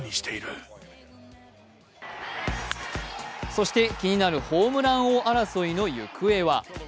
そして気になるホームラン王争いの行方は？